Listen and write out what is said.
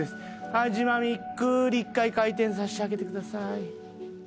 はいジ・マミゆっくり１回回転させてあげてください。